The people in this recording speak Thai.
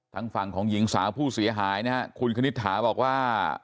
ทางฝั่งของหญิงสาวผู้เสียหายนะฮะคุณคณิตถาบอกว่า